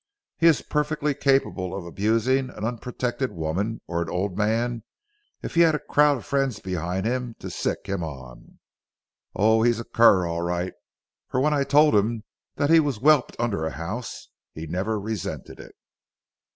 He is perfectly capable of abusing an unprotected woman, or an old man if he had a crowd of friends behind to sick him on. Oh, he's a cur all right; for when I told him that he was whelped under a house, he never resented it.